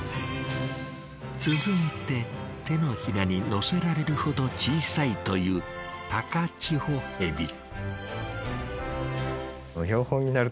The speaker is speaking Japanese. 続いて手のひらに載せられるほど小さいというタカチホヘビ。